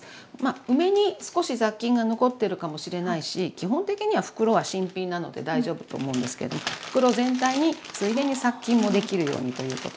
梅に少し雑菌が残ってるかもしれないし基本的には袋は新品なので大丈夫と思うんですけど袋全体についでに殺菌もできるようにということで。